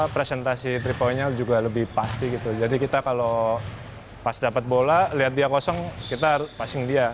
presentasi three poinnya juga lebih pasti gitu jadi kita kalau pas dapet bola lihat dia kosong kita passing dia